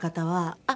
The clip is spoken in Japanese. あっ！